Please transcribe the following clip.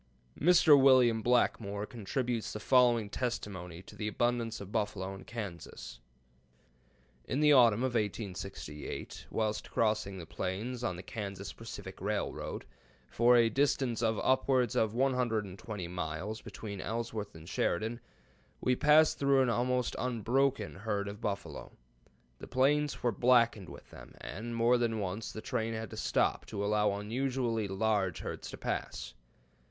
Mr. William Blackmore contributes the following testimony to the abundance of buffalo in Kansas: [Note 24: Plains of the Great West, p. xvi.] "In the autumn of 1868, whilst crossing the plains on the Kansas Pacific Railroad, for a distance of upwards of 120 miles, between Ellsworth and Sheridan, we passed through an almost unbroken herd of buffalo. The plains were blackened with them, and more than once the train had to stop to allow unusually large herds to pass.